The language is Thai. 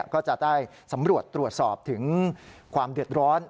ก็จะได้สำรวจตรวจสอบถึงความเดือดร้อน